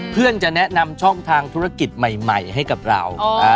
เพื่อนจะแนะนำช่องทางธุรกิจใหม่ให้กับเรา